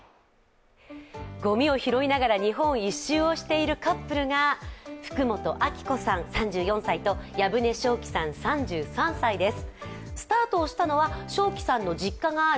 ゴミを拾いながら日本１周をしているカップルが福本晃子さん３４歳と藪根頌己さん３３歳です。